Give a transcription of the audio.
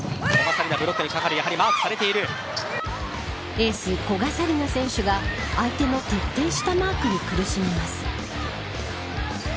エース、古賀紗理那選手が相手の徹底したマークに苦しみます。